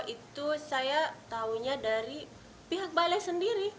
itu saya tahunya dari pihak balai sendiri